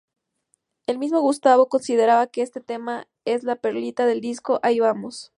El mismo Gustavo consideraba que este tema es la "perlita" del disco "Ahí vamos".